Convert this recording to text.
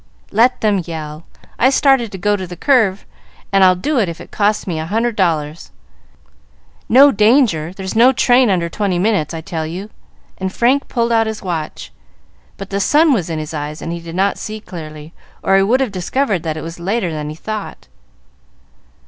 "Let them yell. I started to go to the curve, and I'll do it if it costs me a hundred dollars. No danger; there's no train under twenty minutes, I tell you," and Frank pulled out his watch. But the sun was in his eyes, and he did not see clearly, or he would have discovered that it was later than he thought.